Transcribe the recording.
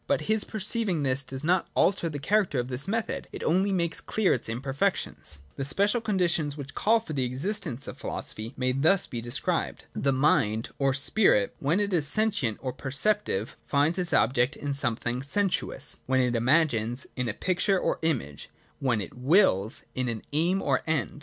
But his perceiving this does not alter the character of this method ; it only makes clear its imperfections. ll.j The special conditions which call for the exist ence of philosophy may be thus described. The mind or spirit, when it is sentient or perceptive, finds its object in something sensuous ; when it imagines, in a picture or image ; when it wills, in an aim or end.